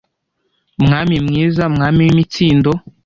mwami mwiza, mwami w'imitsindo